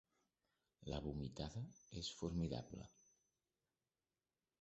La vomitada és formidable.